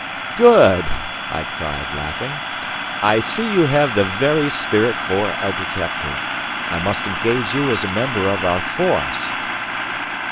"Good;" I cried, laughing, "I see you have the very spirit for a detective. I must engage you as a member of our force."